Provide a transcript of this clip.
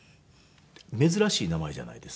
珍しい名前じゃないです？